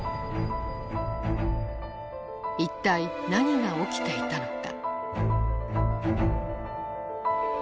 一体何が起きていたのか。